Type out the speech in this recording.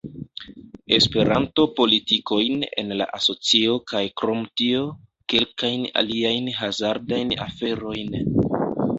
Esperanto-politikojn en la asocio kaj krom tio, kelkajn aliajn hazardajn aferojn